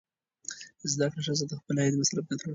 زده کړه ښځه د خپل عاید مصرف کنټرولوي.